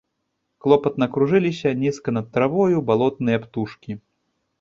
Клопатна кружыліся нізка над травою балотныя птушкі.